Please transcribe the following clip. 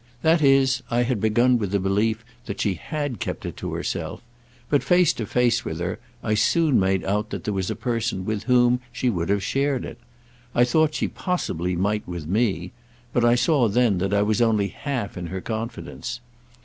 That is I had begun with the belief that she had kept it to herself; but face to face with her there I soon made out that there was a person with whom she would have shared it. I had thought she possibly might with me—but I saw then that I was only half in her confidence.